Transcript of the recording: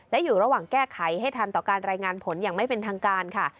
และอยู่ระหว่างแก้ไขให้ทันต่อการรายงานผลอย่างไม่เป็นทางการค่ะ